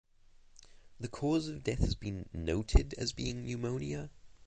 The cause of death has been noted as being pneumonia.